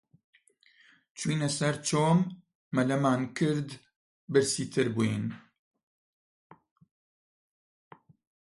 چووینە سەر چۆم، مەلەمان کرد، برسیتر بووین